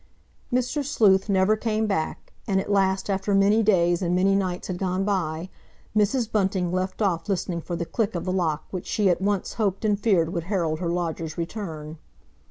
Mr. Sleuth never came back, and at last after many days and many nights had gone by, Mrs. Bunting left off listening for the click of the lock which she at once hoped and feared would herald her lodger's return.